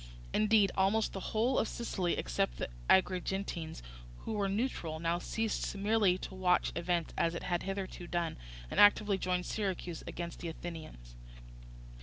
Indeed almost the whole of Sicily, except the Agrigentines, who were neutral, now ceased merely to watch events as it had hitherto done, and actively joined Syracuse against the Athenians.